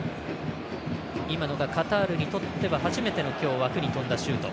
今のがカタールにとっては初めての今日、枠に飛んだシュート。